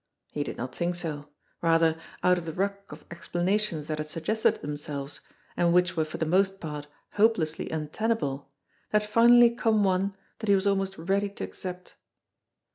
He did not think so; rather, out of the ruck of explanations that had suggested themselves, and which were for the most part hopelessly untenable, there had finally come one that he was almost ready to accept.